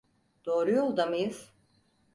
Doğru yolda mıyız?